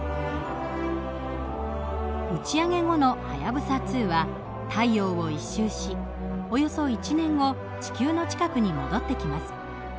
打ち上げ後のはやぶさ２は太陽を１周しおよそ１年後地球の近くに戻ってきます。